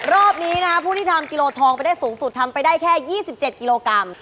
รอบนี้นะคะผู้ที่ทำกิโลทองไปได้สูงสุดทำไปได้แค่๒๗กิโลกรัม